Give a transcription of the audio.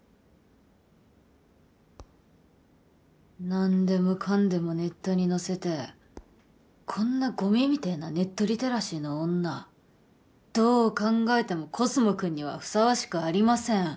なんでもかんでもネットに載せてこんなゴミみてぇなネットリテラシーな女どう考えてもコスモくんにはふさわしくありません